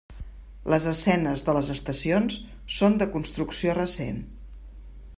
Les escenes de les estacions són de construcció recent.